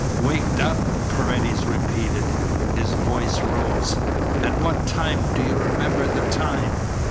"Waked up!" Paredes repeated. His voice rose. "At what time? Do you remember the time?"